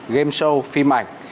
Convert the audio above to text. game show phim ảnh